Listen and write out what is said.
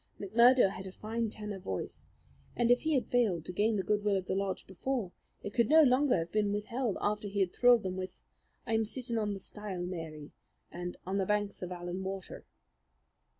McMurdo had a fine tenor voice, and if he had failed to gain the good will of the lodge before, it could no longer have been withheld after he had thrilled them with "I'm Sitting on the Stile, Mary," and "On the Banks of Allan Water."